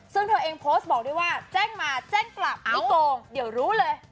ซึ่งเธอเองโพสต์บอกด้วยว่าแจ้งมาแจ้งกลับไม่โกงเดี๋ยวรู้เลย